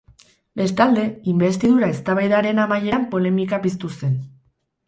Bestalde, inbestidura eztabaidaren amaieran polemika piztu zen.